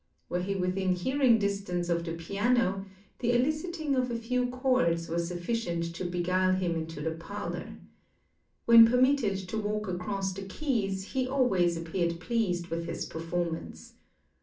Were he within hearing distance of the piano the eliciting of a few chords was sufficient to beguile him into the parlor. When permitted to walk across the keys he always appeared pleased with his performance.